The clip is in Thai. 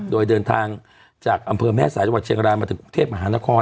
โดยเดินทางจากอำเภอแม่สายจังหวัดเชียงรายมาถึงกรุงเทพมหานคร